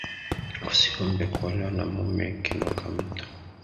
Usiombe kuolewa na mume kinuka mto